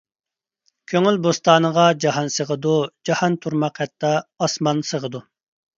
كۆڭۈل بوستانىغا جاھان سىغىدۇ، جاھان تۇرماق ھەتتا ئاسمان سىغىدۇ.